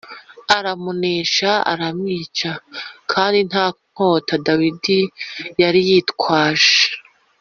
aramunesha aramwica kandi nta nkota Dawidi yari yitwaje.